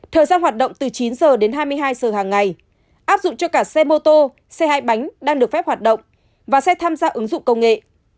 thời gian hoạt động từ chín h đến hai mươi hai giờ hàng ngày áp dụng cho cả xe mô tô xe hai bánh đang được phép hoạt động và xe tham gia ứng dụng công nghệ